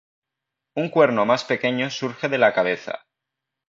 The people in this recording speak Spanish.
Un cuerno más pequeño surge de la cabeza.